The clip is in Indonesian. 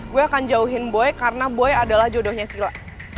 gue akan jauhin boy karena boy adalah jodohnya sila